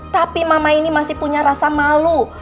tapi mama ini masih punya rasa malu